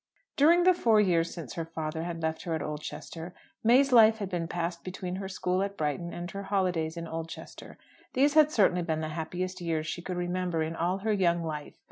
During the four years since her father had left her at Oldchester, May's life had been passed between her school at Brighton and her holidays in Oldchester. These had certainly been the happiest years she could remember in all her young life.